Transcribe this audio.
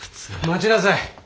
待ちなさい。